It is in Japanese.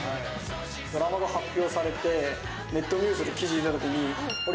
ドラマが発表されて、ネットニュースで記事出たときに、あれ？